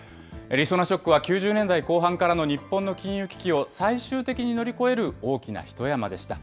りそなショックは９０年代後半からの日本の金融危機を最終的に乗り越える大きなひと山でした。